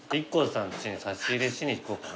ＩＫＫＯさんちに差し入れしに行こうかな。